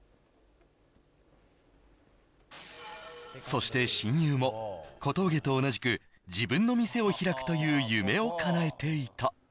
そして親友も小峠と同じく自分の店を開くという夢を叶えていた